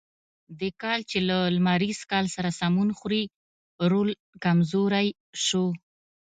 د کال چې له لمریز کال سره سمون خوري رول کمزوری شو.